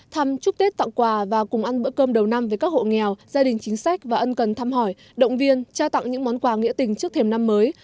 thăm chúc tết tặng quà và cùng ăn bữa cơm đầu năm với các hộ nghèo gia đình chính sách và ân cần thăm hỏi động viên trao tặng những món quà nghĩa tình trước thềm năm mới